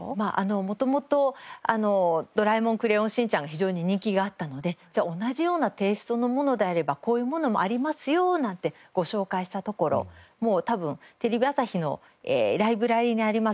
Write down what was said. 元々『ドラえもん』『クレヨンしんちゃん』が非常に人気があったので「じゃあ同じようなテイストのものであればこういうものもありますよ」なんてご紹介したところもう多分テレビ朝日のライブラリーにあります